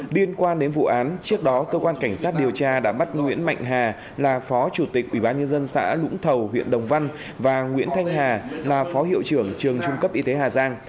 điên quan đến vụ án trước đó cơ quan cảnh sát điều tra đã bắt nguyễn mạnh hà là phó chủ tịch ủy ban nhân dân xã lũng thầu huyện đồng văn và nguyễn thanh hà là phó hiệu trưởng trường trung cấp y tế hà giang